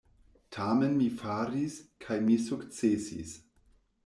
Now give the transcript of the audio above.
Tamen mi faris, kaj mi sukcesis.